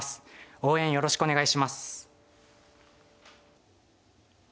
応援よろしくお願いします。